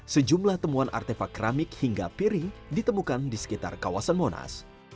sejumlah temuan artefak keramik hingga piring ditemukan di sekitar kawasan monas